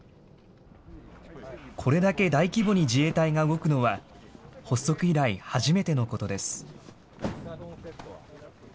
これだけ大規模に自衛隊が動くのは、発足以来初めてのことです。